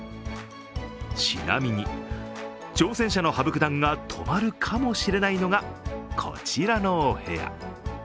ちなみに挑戦者の羽生九段が泊まるかもしれないのがこちらのお部屋。